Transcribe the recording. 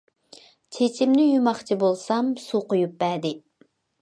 چېچىمنى يۇماقچى بولسام، سۇ قۇيۇپ بەردى.